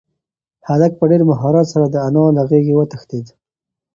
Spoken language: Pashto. هلک په ډېر مهارت سره د انا له غېږې وتښتېد.